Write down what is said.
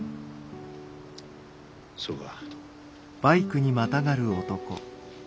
そうか。